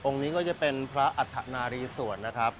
นี้ก็จะเป็นพระอัฐนารีสวรรนะครับ